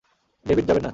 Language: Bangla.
ডেভিড, যাবেন না!